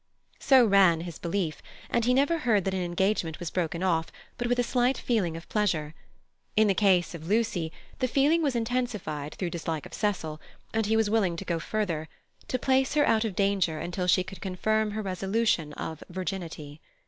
So ran his belief, and he never heard that an engagement was broken off but with a slight feeling of pleasure. In the case of Lucy, the feeling was intensified through dislike of Cecil; and he was willing to go further—to place her out of danger until she could confirm her resolution of virginity.